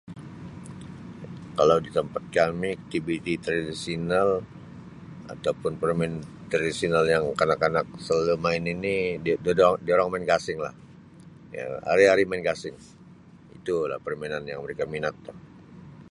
Kalau di tempat kami, tv tradisional atau pun permainan tradisional yang kanak-kanak selalu main di-du-durang main gasing lah, ya hari-hari main gasing, itulah permainan yang mereka minat tu.